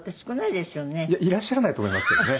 いやいらっしゃらないと思いますけどね。